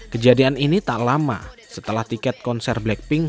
kejadian ini tak lama setelah tiket konser blackpink